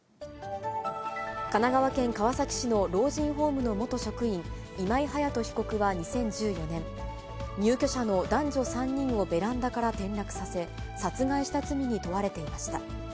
神奈川県川崎市の老人ホームの元職員、今井隼人被告は２０１４年、入居者の男女３人をベランダから転落させ、殺害した罪に問われていました。